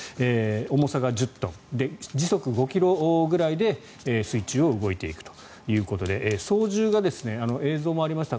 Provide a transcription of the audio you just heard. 重さが１０トン時速５ｋｍぐらいで水中を動いていくということで操縦が、映像もありました